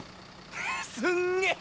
すんげぇ。